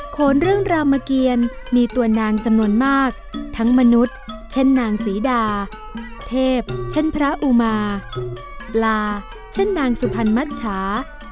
โขนเรื่องรามเกียรมีตัวนางจำนวนมากทั้งมนุษย์เช่นนางศรีดาเทพเช่นพระอุมาปลาเช่นนางสุพรรณมัชชา